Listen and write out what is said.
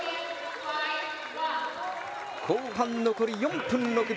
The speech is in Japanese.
後半残り４分６秒。